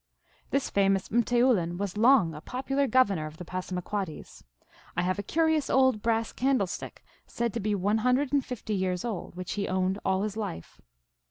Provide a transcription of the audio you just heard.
This famous m teoulin was long a popular gov ernor of the Passamaquoddies. I have a curious old brass candlestick, said to be one hundred and fifty years old, which he owned all his life.